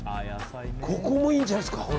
ここもいいんじゃないですか？